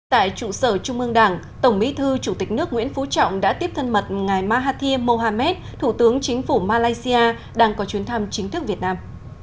tại trụ sở trung ương đảng tổng bí thư chủ tịch nước nguyễn phú trọng đã tiếp thân mật ngài mahathir mohamed thủ tướng chính phủ malaysia đang có chuyến thăm chính thức việt nam